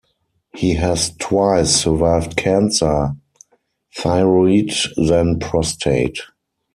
He has twice survived cancer - thyroid, then prostate.